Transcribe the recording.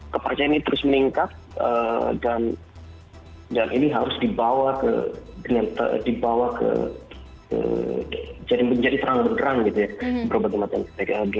kepercayaan ini terus meningkat dan ini harus dibawa ke jadi serang serang gitu ya